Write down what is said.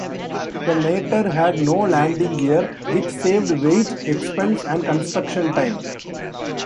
The Natter had no landing gear, which saved weight, expense and construction time.